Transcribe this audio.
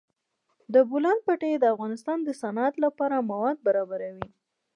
د بولان پټي د افغانستان د صنعت لپاره مواد برابروي.